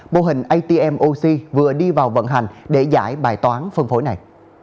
mô hình atm ox vừa đi vào vận hành để giải bài toán phân phối này